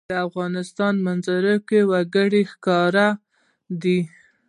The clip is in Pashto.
د افغانستان په منظره کې وګړي ښکاره ده.